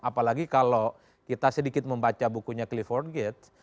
apalagi kalau kita sedikit membaca bukunya clifford gates